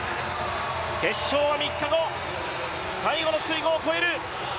決勝は３日後、最後の水濠を越える。